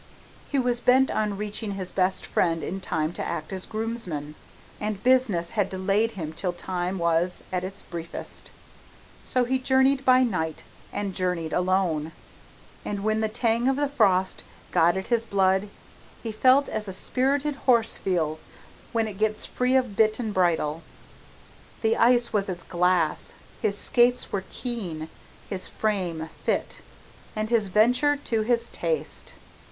He was bent on reaching his best friend in time to act as groomsman, and business had delayed him till time was at its briefest. So he journeyed by night and journeyed alone, and when the tang of the frost got at his blood, he felt as a spirited horse feels when it gets free of bit and bridle. The ice was as glass, his skates were keen, his frame fit, and his venture to his taste!